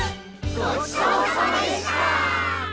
ごちそうさまでした！